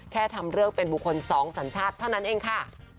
ทำเรื่องเป็นบุคคลสองสัญชาติเท่านั้นเองค่ะ